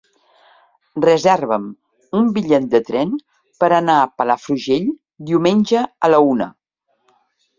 Reserva'm un bitllet de tren per anar a Palafrugell diumenge a la una.